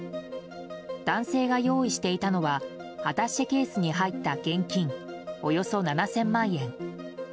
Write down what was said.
男性が用意していたのはアタッシェケースに入った現金およそ７０００万円。